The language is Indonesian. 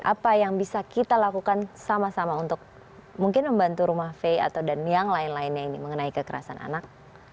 apa yang bisa kita lakukan sama sama untuk mungkin membantu rumah faye atau dan yang lain lainnya ini mengenai kekerasan anak